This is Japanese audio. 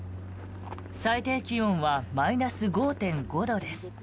最低気温はマイナス５．５度です。